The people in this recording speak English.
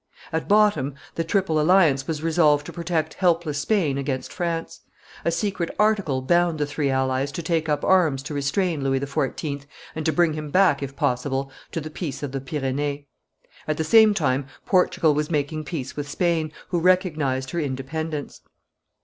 At bottom, the Triple Alliance was resolved to protect helpless Spain against France; a secret article bound the three allies to take up arms to restrain Louis XIV., and to bring him back, if possible, to the peace of the Pyrenees. At the same moment, Portugal was making peace with Spain, who recognized her independence.